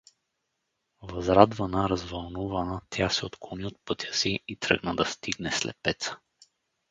Възрадвана, развълнувана, тя се отклони от пътя си и тръгна да стигне слепеца.